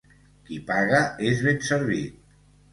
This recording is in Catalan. Qui paga és ben servit.